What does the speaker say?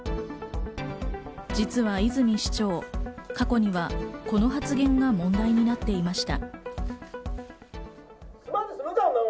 実は泉市長、過去にはこの発言が問題になっていました。